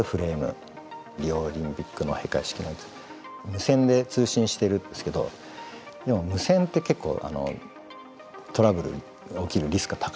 無線で通信してるんですけどでも無線って結構トラブル起きるリスクが高いんですね。